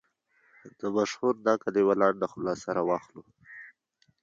د مشهور نکل یوه لنډه خلاصه را واخلو.